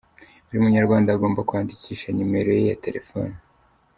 Buri munyarwanda agomba kwandikisha nimero ye ya telefone